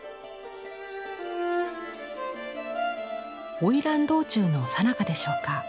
おいらん道中のさなかでしょうか。